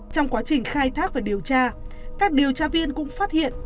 trong quá trình khai thác và điều tra các điều tra viên cũng phát hiện